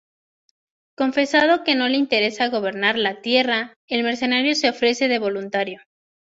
Confesando que no le interesaba gobernar la Tierra, el mercenario se ofrece de voluntario.